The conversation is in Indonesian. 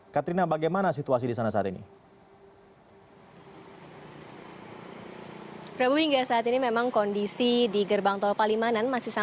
katrina bagaimana situasi di sana saat ini